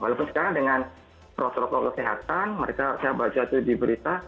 walaupun sekarang dengan protokol kesehatan mereka saya baca itu di berita